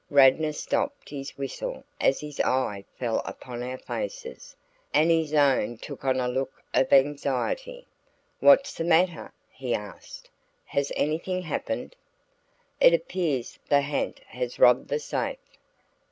Radnor stopped his whistle as his eye fell upon our faces, and his own took on a look of anxiety. "What's the matter?" he asked. "Has anything happened?" "It appears the ha'nt has robbed the safe."